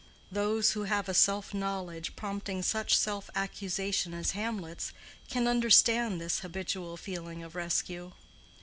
Those who have a self knowledge prompting such self accusation as Hamlet's, can understand this habitual feeling of rescue.